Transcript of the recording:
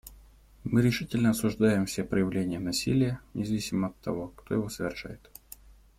Мы решительно осуждаем все проявления насилия независимо от того, кто его совершает.